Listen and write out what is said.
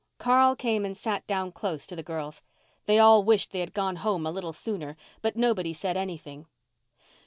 Carl came and sat down close to the girls. They all wished they had gone home a little sooner, but nobody said anything.